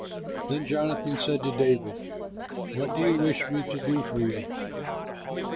Then Jonathan said to David, "What do you wish me to do for you?"